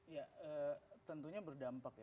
ya tentunya berdampak ya